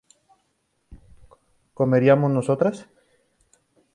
¿comeríamos nosotras?